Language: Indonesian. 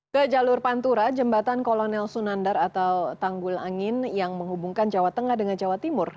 ke jalur pantura jembatan kolonel sunandar atau tanggul angin yang menghubungkan jawa tengah dengan jawa timur